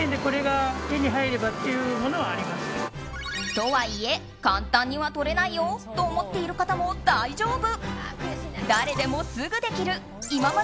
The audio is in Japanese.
とはいえ簡単には取れないよと思っている方も大丈夫。